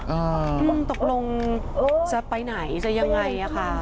มึงตกลงจะไปไหนจะยังไงอ่ะค่ะ